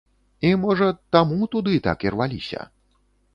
І, можа, таму туды так ірваліся.